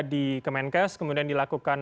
di kemenkes kemudian dilakukan